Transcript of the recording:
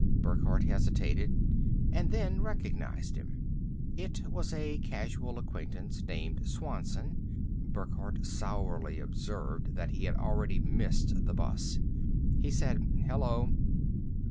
Burckhardt hesitated, and then recognized him. It was a casual acquaintance named Swanson. Burckhardt sourly observed that he had already missed the bus. He said, "Hello."